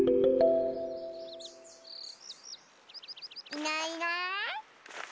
いないいない。